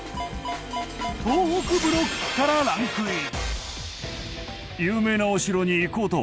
東北ブロックからランクイン。